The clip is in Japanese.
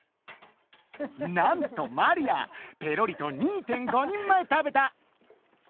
なんとマリアペロリと２．５人前食べた！